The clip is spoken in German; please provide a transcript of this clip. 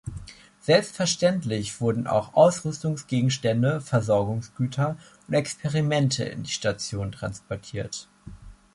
Selbstverständlich wurden auch Ausrüstungsgegenstände, Versorgungsgüter und Experimente in die Station transportiert.